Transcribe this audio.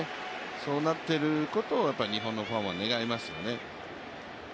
そうなっていることを日本のファンは願いますよね。